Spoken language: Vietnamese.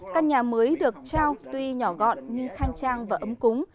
căn nhà mới được trao tuy nhỏ gọn nhưng khang trang và ấm cúng